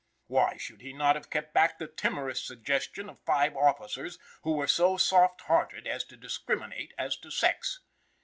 Why should he not have kept back the timorous suggestion of five officers, who were so soft hearted as to "discriminate" as to sex?